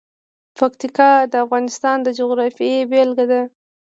پکتیکا د افغانستان د جغرافیې بېلګه ده.